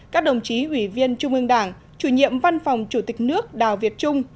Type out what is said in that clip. các đồng chí ủy viên trung ương đảng chủ nhiệm văn phòng chủ tịch nước đào việt trung